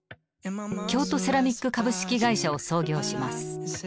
京都セラミック株式会社を創業します。